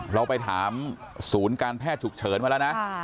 เราไปถามศูนย์การแพทย์ฉุกเฉินมาแล้วนะ